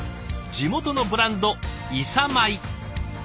地元のブランド伊佐米。